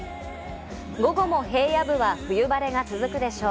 午後も平野部は冬晴れが続くでしょう。